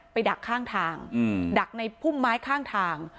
ดักข้างทางดักในพุ่มไม้ข้างทาง